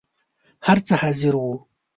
هر څه حاضر وو.